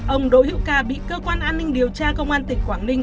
ông đỗ hữu ca bị cơ quan an ninh điều tra công an tỉnh quảng ninh